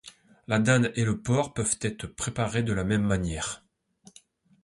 La dinde et le porc peuvent être préparés de la même manière.